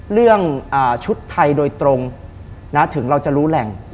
เรื่องชุดไทยโดยตรงถึงเราจะรู้แหล่ง